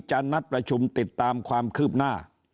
นัดประชุมติดตามความคืบหน้า